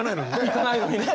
行かないのにね。